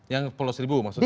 yang puluh seribu maksudnya